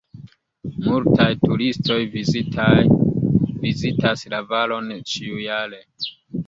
Multaj turistoj vizitas la valon ĉiujare.